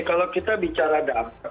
kalau kita bicara dampak